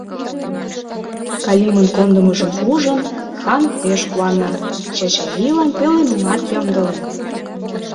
Калимын кондымыжым ужын, хан пеш куана, Чачавийлан пӧлемымат ямдылен.